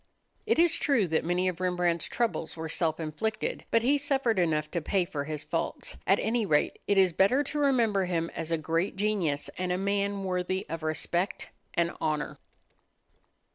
It is true that many of Rembrandt's troubles were self inflicted: but he suffered enough to pay for his faults. At any rate it is better to remember him as a great genius and a man worthy of respect and honor.